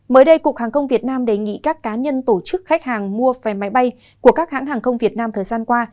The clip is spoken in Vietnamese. mới đây cục hàng không việt nam đề nghị các cá nhân tổ chức khách hàng mua vé máy bay của các hãng hàng không việt nam thời gian qua